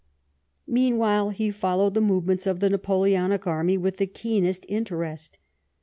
Meanwhile he followed the movements of the Napoleonic army with the keenest interest.